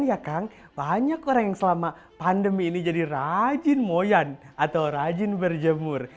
masih ada orang percaya banyak orang yang selama pandemi ini jadi rajin moyan atau rajin berjemur